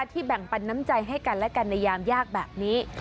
แบ่งปันน้ำใจให้กันและกันในยามยากแบบนี้